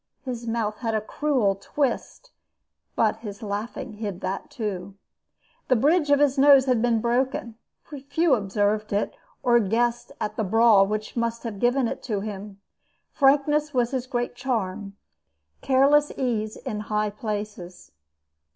His mouth had a cruel twist; but his laughing hid that too. The bridge of his nose had been broken; few observed it, or guessed at the brawl which must have given it to him. Frankness was his great charm, careless ease in high places."